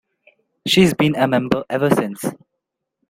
She's been a member ever since.